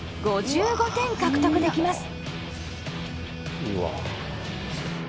５５点獲得できます。